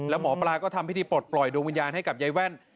แล้วหมอปลาก็ทำพิธีปลดปล่อยดวงวิญญาณให้กับยายแว่น